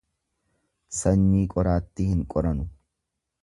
Sanyii qoraatti hin qoranu.